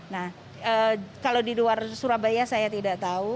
nah kalau di luar surabaya saya tidak tahu